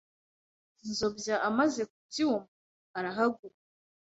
Nzobya amaze kubyumva arahaguruka